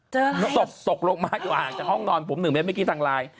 เจออะไรครับสกลงมาอยู่ห่างจากห้องนอนผม๑เมตรเมื่อกี้ทางไลน์